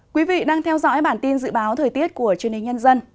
quý vị đang theo dõi bản tin dự báo thời tiết của chương trình nhân dân